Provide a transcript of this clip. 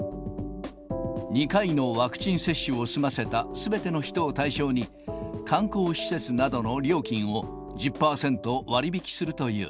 ２回のワクチン接種を済ませたすべての人を対象に、観光施設などの料金を１０％割引きするという。